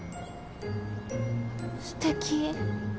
すてき。